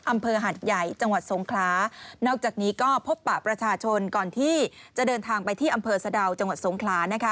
หัดใหญ่จังหวัดสงคลานอกจากนี้ก็พบปะประชาชนก่อนที่จะเดินทางไปที่อำเภอสะดาวจังหวัดสงขลานะคะ